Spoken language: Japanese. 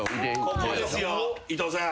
ここですよ伊藤さん。